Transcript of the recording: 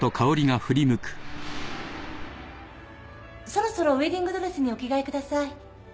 そろそろウエディングドレスにお着替えください。